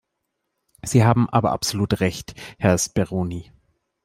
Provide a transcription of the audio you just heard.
Sie haben aber absolut Recht, Herr Speroni.